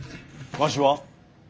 わしは？